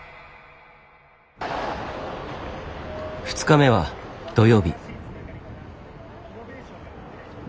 ２日目は土曜日。